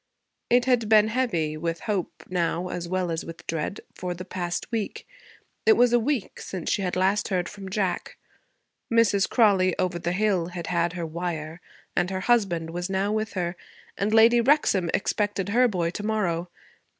It had been heavy, with hope now as well as with dread, for the past week. It was a week since she had last heard from Jack. Mrs. Crawley, over the hill, had had her wire, and her husband was now with her; and Lady Wrexham expected her boy to morrow.